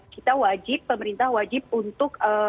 kita wajib pemerintah wajib untuk